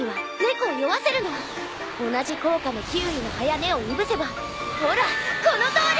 同じ効果のキウイの葉や根をいぶせばほらこのとおり！